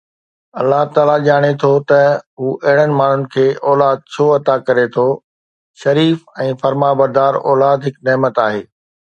الله تعاليٰ ڄاڻي ٿو ته هو اهڙن ماڻهن کي اولاد ڇو عطا ڪري ٿو، شريف ۽ فرمانبردار اولاد هڪ نعمت آهي